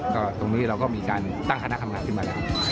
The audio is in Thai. ก็ตรงนี้เราก็มีการตั้งคณะทำงานขึ้นมาแล้ว